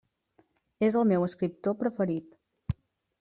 És el meu escriptor preferit.